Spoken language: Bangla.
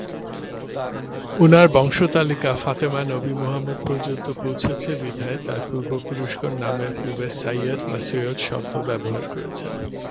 উনার বংশ-তালিকা ফাতেমা নবী মুহাম্মাদ পর্যন্ত পৌঁছেছে বিধায় তার পূর্ব-পুরুষগণ নামের পূর্বে ‘সাইয়্যেদ’ বা ‘সৈয়দ’ শব্দ ব্যবহার করেছেন।